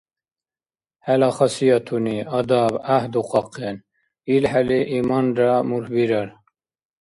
Хӏела хасиятуни—адаб гӏяхӏдухъахъен, илхӏели иманра мурхьбирар.